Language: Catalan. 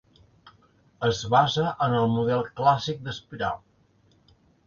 Es basa en el model clàssic d'espiral.